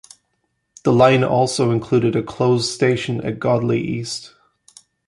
The line also includes a closed station at Godley East.